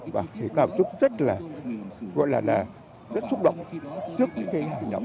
và thì cảm xúc rất là gọi là rất xúc động trước những cái hài lòng